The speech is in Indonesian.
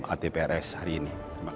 jadi kita berharap kepada atprs hari ini